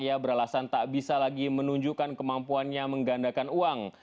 ia beralasan tak bisa lagi menunjukkan kemampuannya menggandakan uang